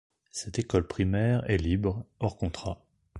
Cette école primaire est libre, hors contrat.